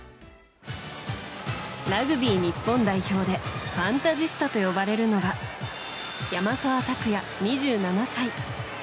ラグビー日本代表でファンタジスタと呼ばれるのが山沢拓也、２７歳。